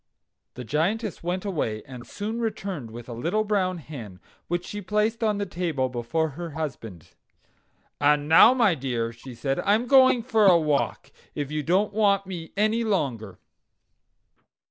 The Giantess went away, and soon returned with a little brown hen, which she placed on the table before her husband. "And now, my dear," she said, "I am going for a walk, if you don't want me any longer."